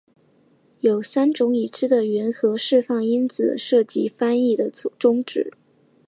有三种已知的原核释放因子涉及翻译的终止。